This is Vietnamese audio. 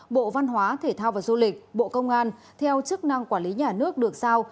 bộ văn hóa thể thao và du lịch bộ công an theo chức năng quản lý nhà nước được sao